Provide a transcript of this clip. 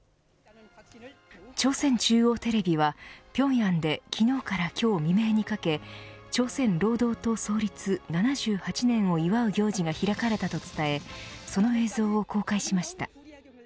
朝鮮中央テレビは平壌で、昨日から今日未明にかけ朝鮮労働党創立７８年を祝う行事が開かれたと伝えその映像を公開しました。